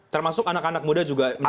termasuk anak anak muda juga menjadi target